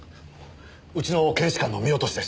うちの検視官の見落としです。